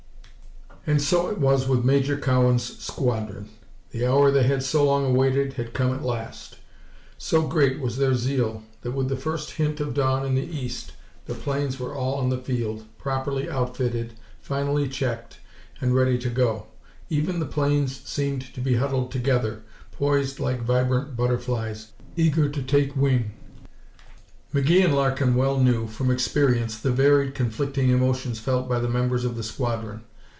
And so it was with Major Cowan's squadron. The hour they had so long awaited had come at last. So great was their zeal that with the first hint of dawn in the east the planes were all on the field, properly outfitted, finally checked, and ready to go. Even the planes seemed to be huddled together, poised like vibrant butterflies, eager to take wing. McGee and Larkin well knew, from experience, the varied, conflicting emotions felt by the members of the squadron.